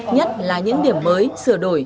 nhất là những điểm mới sửa đổi